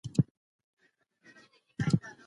خیر محمد په خپل زړه کې یو لوی ارمان درلود.